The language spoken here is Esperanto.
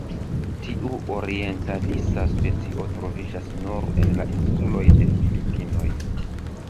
Tiu orientalisa specio troviĝas nur en la insuloj de Filipinoj.